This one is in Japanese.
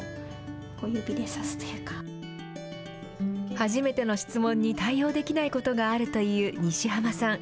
初めての質問に対応できないことがあるという西濱さん。